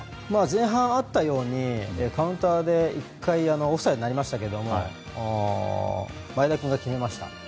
前半あったようにカウンターで１回オフサイドになりましたけれどもとめました。